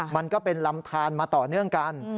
มันก็เป็นลำทานมาต่อเนื่องกัน